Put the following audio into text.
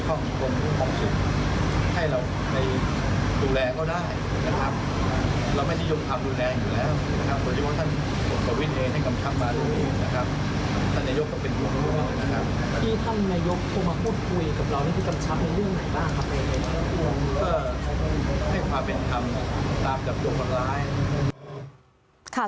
ก็ให้พาเป็นคำตามกับตัวคนร้าย